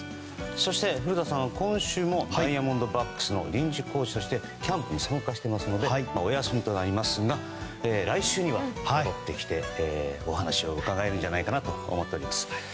そして、古田さんは今週もダイヤモンドバックスの臨時コーチとしてキャンプに参加していますのでお休みとなりますが来週には戻ってきてお話を伺えるんじゃないかと思っています。